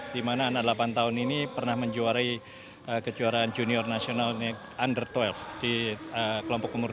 di mana anak delapan tahun ini pernah menjuari kejuaraan junior nasional under dua belas di kelompok umur dua belas